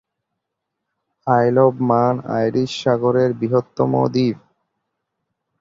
আইল of Man Irish সাগরের বৃহত্তম দ্বীপ।